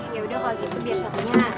ya udah kalau gitu biar satunya